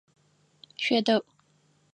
ШъуедэIу!